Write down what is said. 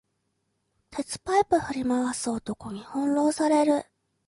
鉄パイプ振り回す男に翻弄される